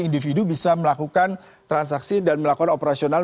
individu bisa melakukan transaksi dan melakukan operasional